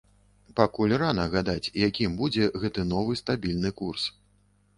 Пакуль рана гадаць, якім будзе гэты новы стабільны курс.